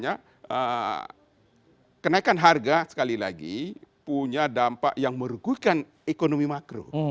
karena kenaikan harga sekali lagi punya dampak yang merugikan ekonomi makro